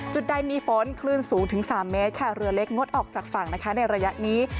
จุดใดมีฝนคลื่นสูงถึง๓เมตรค่ะเรือเล็กงดออกจากฝั่งนะคะในระยะนี้